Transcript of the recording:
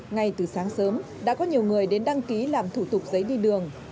ngay từ sáng sớm đã có nhiều người đến đăng ký làm thủ tục giấy đi đường